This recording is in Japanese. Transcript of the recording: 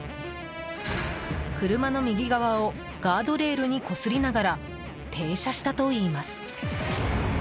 車の右側を、ガードレールにこすりながら停車したといいます。